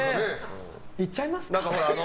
行っちゃいますか。